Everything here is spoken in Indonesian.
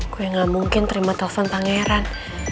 gue gak mungkin terima telepon pangeran